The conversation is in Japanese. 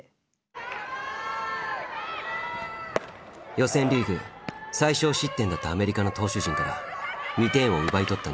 予選リーグ最少失点だったアメリカの投手陣から２点を奪い取った日本。